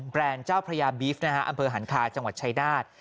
แรนด์เจ้าพระยาบีฟนะฮะอำเภอหันคาจังหวัดชายนาฏ